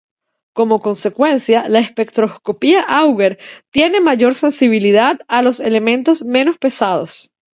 Como consecuencia, la espectroscopia Auger tiene mayor sensibilidad a los elementos menos pesados.